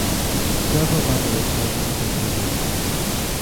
Several Aboriginal people were wounded.